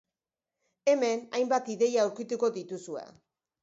Hemen hainbat ideia aurkituko dituzue.